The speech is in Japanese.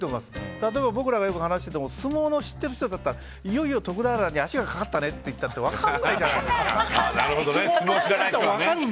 例えば、僕らが話していて相撲の知ってる人だったらいよいよ徳俵に足がかかったよって言っても分かんないじゃないですか。